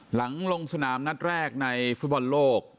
หลังลงสนามนัดแรกในฟุตบอลโลก